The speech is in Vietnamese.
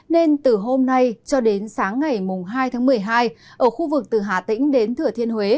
nên từ hôm nay cho đến sáng ngày hai tháng một mươi hai ở khu vực từ hà tĩnh đến thừa thiên huế